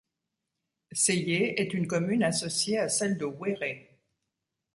Séyé est une commune associée à celle de Ouéré.